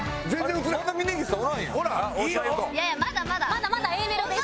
まだまだＡメロです。